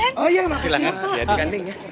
silahkan jadi ganding ya